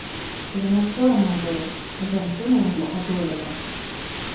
Яму сорамна было, што жанчына яго адолела.